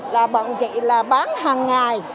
là bọn chị là bán hàng ngày